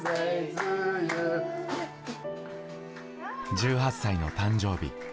１８歳の誕生日。